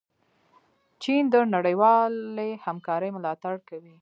چین د نړیوالې همکارۍ ملاتړ کوي.